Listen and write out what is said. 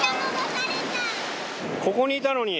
ここにいたのに。